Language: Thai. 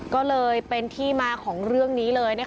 ก็เลยเป็นที่มาของเรื่องนี้เลย